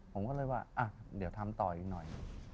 ผมก็เลยว่าเดี๋ยวทำต่ออีกหน่อย